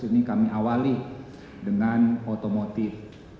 ini kami awali dengan otomotif